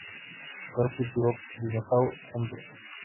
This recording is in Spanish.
Cuerpo y Turok: Dinosaur Hunter.